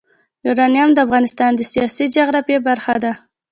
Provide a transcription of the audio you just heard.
یورانیم د افغانستان د سیاسي جغرافیه برخه ده.